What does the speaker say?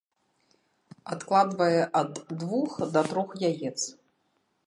Адкладвае ад двух да трох яец.